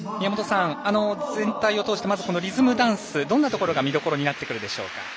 全体を通して、リズムダンスどんなところが見どころになってくるでしょうか。